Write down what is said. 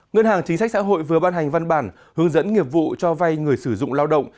ngân hàng chính sách xã hội vừa ban hành văn bản hướng dẫn nghiệp vụ cho vay người sử dụng lao động